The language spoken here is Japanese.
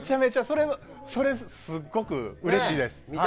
それ、すごくうれしいです。